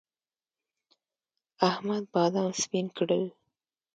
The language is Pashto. احمد بادام سپين کړل.